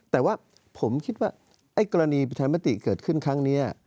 แต่ว่าผมคิดว่าไอ้กรณีประชามติเกิดขึ้นครั้งนี้